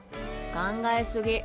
考え過ぎ。